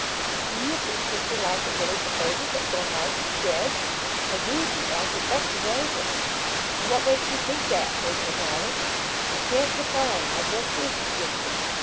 'But do you think Mr. Larkin really supposes that poor Mark is dead?' 'I do, dear I suspect he knows it.' 'And what makes you think that, Rachel, darling?' 'I can't define I've no proofs to give you.